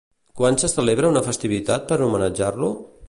Quan se celebra una festivitat per homenatjar-lo?